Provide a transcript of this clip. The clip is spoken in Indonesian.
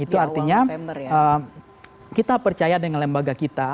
itu artinya kita percaya dengan lembaga kita